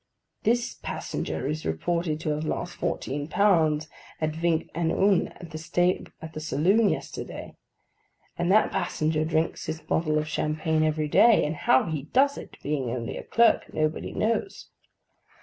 This passenger is reported to have lost fourteen pounds at Vingt et un in the saloon yesterday; and that passenger drinks his bottle of champagne every day, and how he does it (being only a clerk), nobody knows.